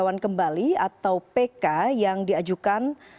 baiklah apa saja